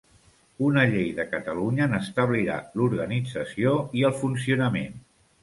Una llei de Catalunya n'establirà l'organització i el funcionament.